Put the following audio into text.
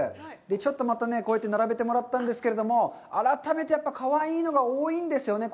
ちょっとまたこうやって並べてもらったんですけれども、改めて、やっぱりかわいいのが多いんですよね。